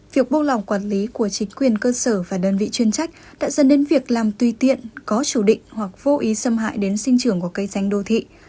việc buông lỏng quản lý của chính quyền cơ sở và đơn vị chuyên trách đã dần đến việc làm tùy tiện có chủ định hoặc vô ý xâm hại đến sinh trường của cây xanh đô thị